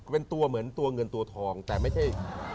เป็นตัวเหมือนตัวเงินตัวทองแต่ไม่ใช่